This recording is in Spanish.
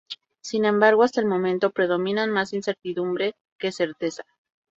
Sin embargo hasta el momento predominan más incertidumbre que certezas.